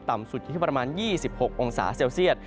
สุดอยู่ที่ประมาณ๒๖องศาเซลเซียต